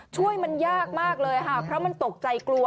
ช่วยมันยากมากเลยค่ะเพราะมันตกใจกลัว